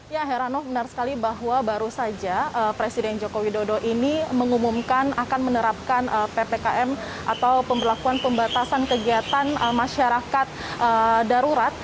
ya herano benar sekali bahwa baru saja presiden joko widodo ini mengumumkan akan menerapkan ppkm atau pemberlakuan pembatasan kegiatan masyarakat darurat